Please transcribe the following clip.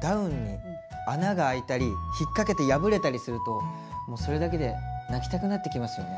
ダウンに穴があいたり引っ掛けて破れたりするともうそれだけで泣きたくなってきますよね。